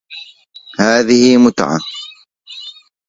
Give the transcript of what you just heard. هذه متعة.